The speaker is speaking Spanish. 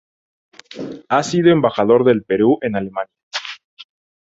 Ha sido Embajador del Perú en Alemania.